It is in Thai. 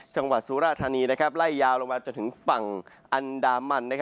จังหวัดสุราธารณีไล่อย่าลงมาจะถึงฝั่งอันดามรรณ